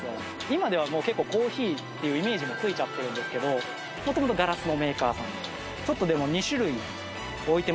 今ではもう結構コーヒーっていうイメージもついちゃってるんですけど元々ガラスのメーカーさん